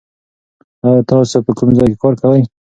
تاسو په کوم ځای کې کار کوئ؟